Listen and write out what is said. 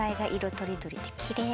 とりどりできれい。